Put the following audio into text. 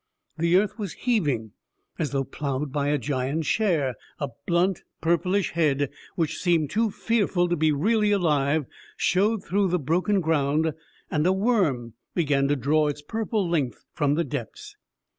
The earth was heaving, as though ploughed by a giant share; a blunt, purplish head, which seemed too fearful to be really alive, showed through the broken ground, and a worm began to draw its purple length from the depths.